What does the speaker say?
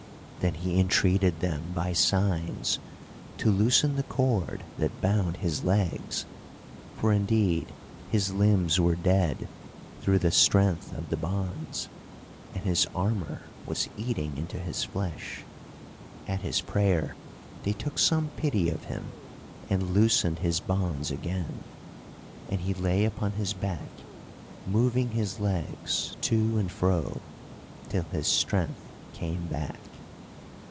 Then he entreated them by signs to loosen the cord that bound his legs; for indeed his limbs were dead through the strength of the bonds, and his armour was eating into his flesh. At his prayer they took some pity of him and loosened his bonds again, and he lay upon his back, moving his legs to and fro till his strength came back.